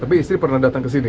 tapi istri pernah datang ke sini